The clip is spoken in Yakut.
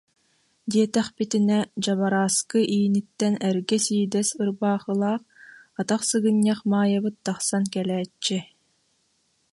диэтэхпитинэ, дьабарааскы ииниттэн эргэ сиидэс ырбаахылаах атах сыгынньах Маайабыт тахсан кэлээччи